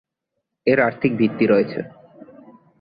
এর আর্থিক ভিত্তি রয়েছে।